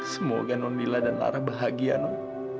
semoga non lila dan lara bahagia non